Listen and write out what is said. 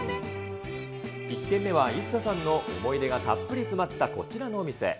１軒目は、イッサさんの思い出がたっぷり詰まったこちらの店。